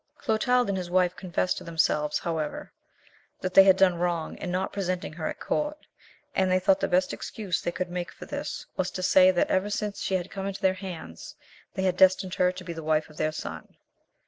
Clotald and his wife confessed to themselves, however, that they had done wrong in not presenting her at court, and they thought the best excuse they could make for this, was to say that ever since she had come into their hands, they had destined her to be the wife of their son.